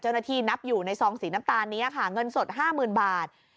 เจ้าหน้าที่นับอยู่ในซองสีน้ำตาลเนี้ยค่ะเงินสดห้าหมื่นบาท